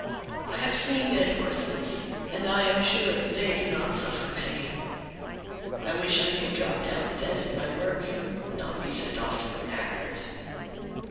I have seen dead horses, and I am sure they do not suffer pain; I wish I may drop down dead at my work, and not be sent off to the knackers."